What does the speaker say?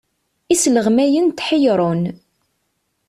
Isleɣmayen tḥeyyren.